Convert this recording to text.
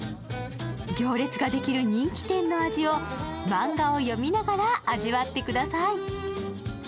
行列ができる人気店の味をマンガを読みながら味わってください。